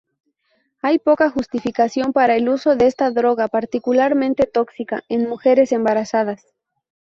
Hay poca justificación para el uso de esta droga particularmente tóxica en mujeres embarazadas.